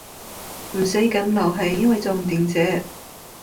唔使咁勞氣因為坐唔定姐